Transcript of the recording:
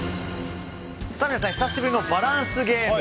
皆さん久しぶりのバランスゲーム。